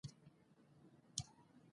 تعليم شوې نجونې د باور وړ همکاران روزي.